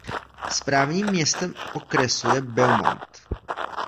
Správním městem okresu je Beaumont.